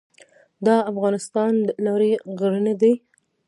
د افغانستان لارې غرنۍ دي